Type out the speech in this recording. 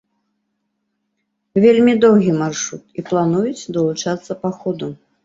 Вельмі доўгі маршрут, і плануюць далучацца па ходу.